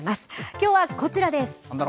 きょうはこちらです。